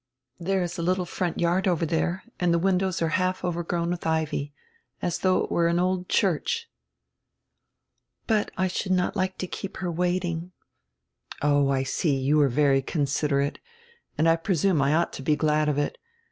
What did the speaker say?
There is a little front yard over there and the windows are half over grown with ivy, as diough it were an old church." "But I should not like to keep her waiting." "Oh, I see, you are very considerate, and I presume I ought to he glad of it.